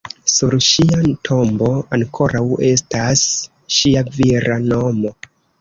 Sur ŝia tombo ankoraŭ estas ŝia vira nomo.